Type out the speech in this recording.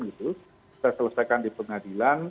kita selesaikan di pengadilan